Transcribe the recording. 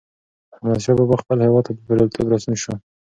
احمدشاه بابا خپل هېواد ته په بریالیتوب راستون شو.